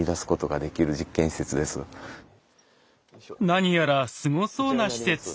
何やらすごそうな施設。